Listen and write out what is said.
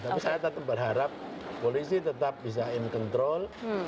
tapi saya tetap berharap polisi tetap bisa in control